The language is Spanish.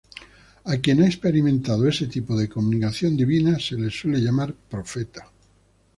A quien ha experimentado ese tipo de comunicación divina se le suele llamar profeta.